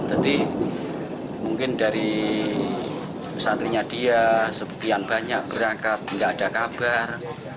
tadi mungkin dari pesantrennya dia sebutian banyak berangkat nggak ada kabar